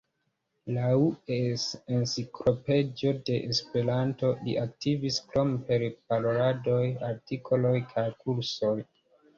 Laŭ "Enciklopedio de Esperanto", li aktivis krome per paroladoj, artikoloj kaj kursoj.